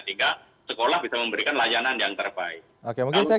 sehingga sekolah bisa memberikan layanan yang terbaik